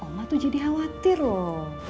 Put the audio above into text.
mama tuh jadi khawatir loh